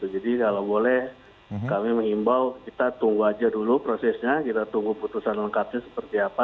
jadi kalau boleh kami mengimbau kita tunggu aja dulu prosesnya kita tunggu putusan lengkapnya seperti apa